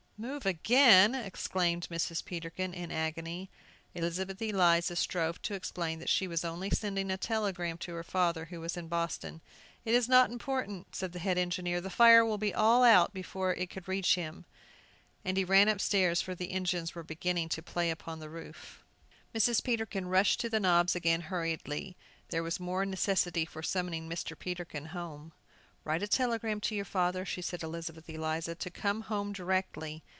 "Move again!" exclaimed Mrs. Peterkin, in agony. Elizabeth Eliza strove to explain that she was only sending a telegram to her father, who was in Boston. "It is not important," said the head engineer; "the fire will all be out before it could reach him." And he ran upstairs, for the engines were beginning to play upon the roof. Mrs. Peterkin rushed to the knobs again hurriedly; there was more necessity for summoning Mr. Peterkin home. "Write a telegram to your father," she said to Elizabeth Eliza, "to 'come home directly.